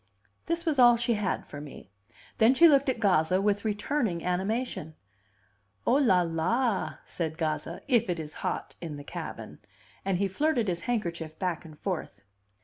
This was all she had for me. Then she looked at Gazza with returning animation. "Oh, la la!" said Gazza. "If it is hot in the cabin!" And he flirted his handkerchief back and forth.